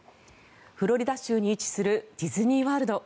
フロリダ州に位置するディズニー・ワールド。